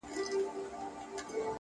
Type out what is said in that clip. چي په ځان كي دا جامې د لوى سلطان سي-